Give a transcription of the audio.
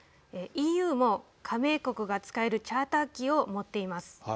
ＥＵも加盟国が使えるチャーター機を持っています。